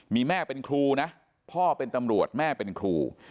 มีแม่เป็นครูนะพ่อเป็นตำรวจแม่เป็นครู